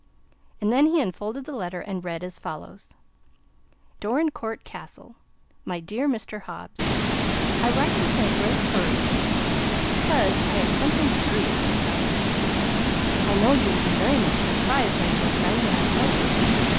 And then he unfolded the letter and read as follows: "DORINCOURT CASTLE" My dear Mr. Hobbs "I write this in a great hury becaus i have something curous to tell you i know you will be very mutch suprised my dear frend when i tel you.